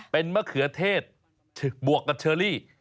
เป็นมะเขือเทศบวกกับเชอรี่